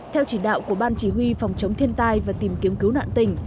theo chỉ đạo của ban chỉ huy phòng chống thiên tai và tìm kiếm cứu nạn tỉnh